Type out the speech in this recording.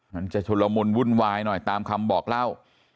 มันจะชุลมุนวุ่นวายหน่อยตามคำบอกเล่า